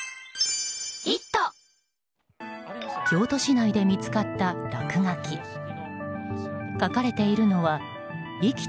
京都市内で見つかった落書き。